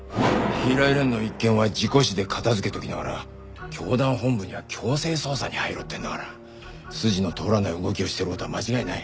平井蓮の一件は事故死で片付けときながら教団本部には強制捜査に入ろうってんだから筋の通らない動きをしてる事は間違いない。